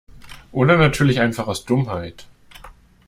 Oder natürlich einfach aus Dummheit.